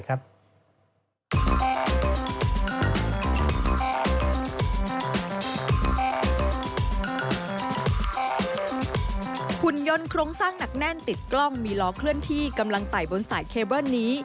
หุ่นยนต์โครงสร้างหนักแน่นติดกล้องมีล้อเคลื่อนที่กำลังไต่บนสายเคเบิ้ลนี้